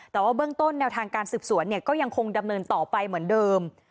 แต่ว่าเบื้องต้นแนวทางการสืบสวนก็ยังคงดำเนินต่อไปเหมือนเดิม